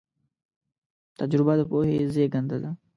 تجربه د پوهې زېږنده ده.